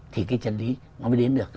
thì cái chân lý nó mới đến được